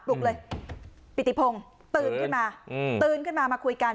ลุกเลยปิติพงศ์ตื่นขึ้นมาตื่นขึ้นมามาคุยกัน